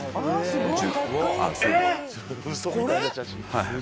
はい。